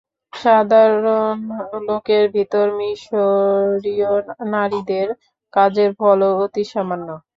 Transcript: সাধারণ লোকের ভিতর মিশনরীদের কাজের ফলও অতি সামান্য।